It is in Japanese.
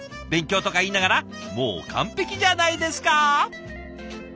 勉強とか言いながらもう完璧じゃないですか。